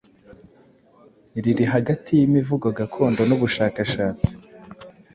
riri hagati yimivugo gakondo nubushakashatsi,